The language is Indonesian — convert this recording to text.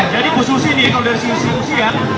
jadi bu susi nih